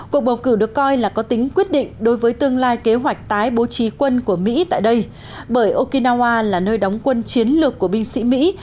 cuộc bầu cử được coi là có tính quyết định đối với tương lai kế hoạch tái bố trí quân của mỹ tại đây bởi okinawa là nơi đóng quân chiến lược của binh sĩ mỹ